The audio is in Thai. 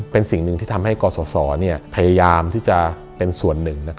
เป็นสิ่งหนึ่งที่ทำให้กศพยายามที่จะเป็นส่วนหนึ่ง